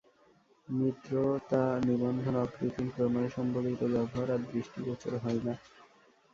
মিত্রতানিবন্ধন অকৃত্রিম প্রণয় সম্বলিত ব্যবহার আর দৃষ্টিগোচর হয় না।